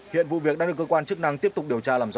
hiện vụ việc đang được cơ quan chức năng tiếp tục điều tra làm rõ